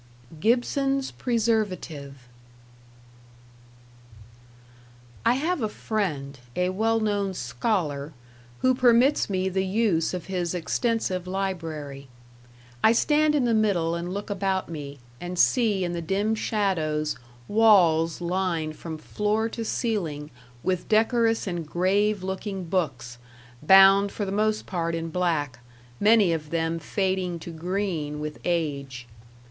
#Gibson's Preservative# I have a friend, a well known "scholar", who permits me the use of his extensive library. I stand in the middle and look about me, and see in the dim shadows walls lined from floor to ceiling with decorous and grave looking books, bound for the most part in black, many of them fading to green with age.